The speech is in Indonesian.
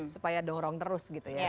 supaya dorong terus gitu ya